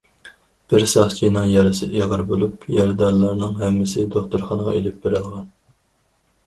بىر ساقچىنىڭ يارىسى ئېغىر بولۇپ، يارىدارلارنىڭ ھەممىسى دوختۇرخانىغا ئېلىپ بېرىلغان.